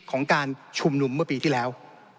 ของการชุมนุมเมื่อปีที่แล้ว